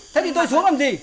thế thì tôi xuống làm gì